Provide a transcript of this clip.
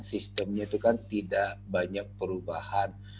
sistemnya itu kan tidak banyak perubahan